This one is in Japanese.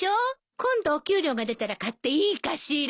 今度お給料が出たら買っていいかしら？